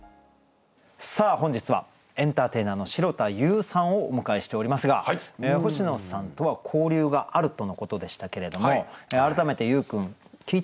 さあ本日はエンターテイナーの城田優さんをお迎えしておりますが星野さんとは交流があるとのことでしたけれども改めて優君聞いてみたいことがあるということなんですが。